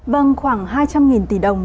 vâng khoảng hai trăm linh tỷ đồng